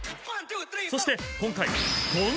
［そして今回］